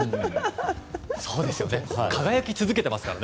そうですよね輝き続けていますから。